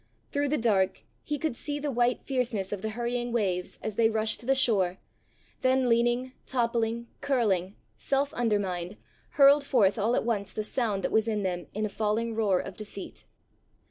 Through the dark he could see the white fierceness of the hurrying waves as they rushed to the shore, then leaning, toppling, curling, self undermined, hurled forth at once all the sound that was in them in a falling roar of defeat.